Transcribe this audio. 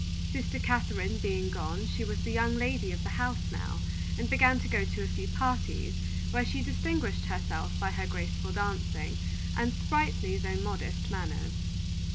Sister Catherine being gone, she was the young lady of the house now, and began to go to a few parties, where she distinguished herself by her graceful dancing, and sprightly though modest manners.